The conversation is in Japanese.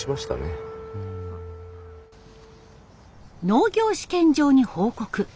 農業試験場に報告。